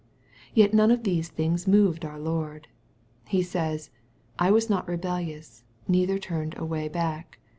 Yet none of these things moved our Lord. He says, " I was not rebellious, neither turned away back.